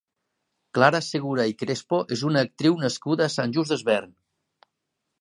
Clara Segura i Crespo és una actriu nascuda a Sant Just Desvern.